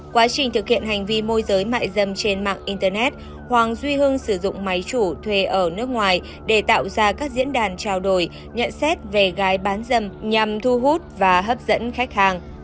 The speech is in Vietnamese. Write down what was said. quá trình thực hiện hành vi môi giới mại dâm trên mạng internet hoàng duy hưng sử dụng máy chủ thuê ở nước ngoài để tạo ra các diễn đàn trao đổi nhận xét về gái bán dâm nhằm thu hút và hấp dẫn khách hàng